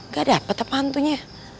gak dapet apa apanya